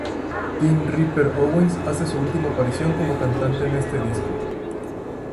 Tim "Ripper" Owens hace su última aparición como cantante en este disco.